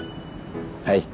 はい。